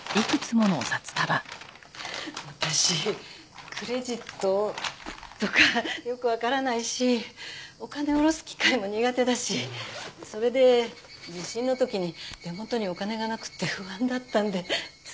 私クレジットとかよくわからないしお金下ろす機械も苦手だしそれで地震の時に手元にお金がなくて不安だったのでつい。